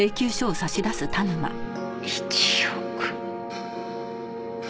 １億。